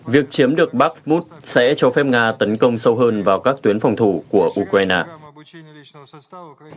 việc chiếm được bakmut sẽ cho phép nga tấn công sâu hơn vào các tuyến phòng thủ của ukraine